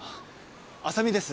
浅見です。